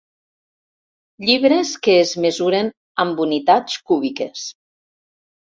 Llibres que es mesuren amb unitats cúbiques.